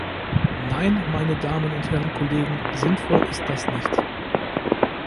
Nein, meine Damen und Herren Kollegen, sinnvoll ist das nicht.